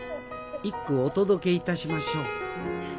一句お届けいたしましょう。